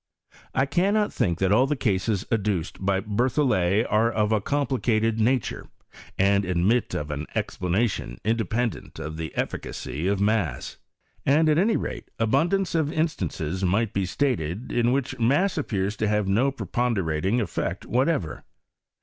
I cannot but think that all the cases adduced by Berthollet are of a complicated nature, and admit of an explanation independent of the efficacy of mass* And at any rate, abundance of instances might be stated, in which mass appears to have no prepon derating effect whatever.